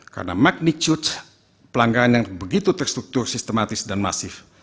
karena magnitude pelanggaran yang begitu terstruktur sistematis dan masif